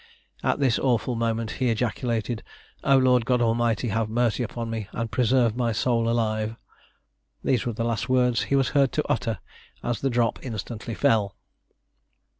At this awful moment he ejaculated, "O Lord God Almighty, have mercy upon me, and preserve my soul alive." These were the last words he was heard to utter, as the drop instantly fell.